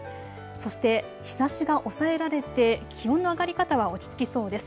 そして日ざしが抑えられて気温の上がり方は落ち着きそうです。